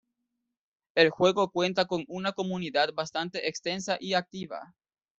El juego cuenta con una comunidad bastante extensa y activa.